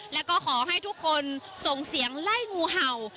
แล้วก็ขอให้ทุกคนส่งเสียงไล่งูเห่า